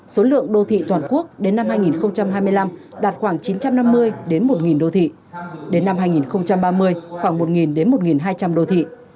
số lượng đô thị toàn quốc đến năm hai nghìn hai mươi năm đạt khoảng chín trăm năm mươi đến một đô thị đến năm hai nghìn ba mươi khoảng một đến một hai trăm linh đô thị